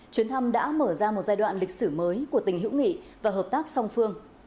chuyến thăm đã mở ra một giai đoạn lịch sử mới của tình hữu nghị và hợp tác song phương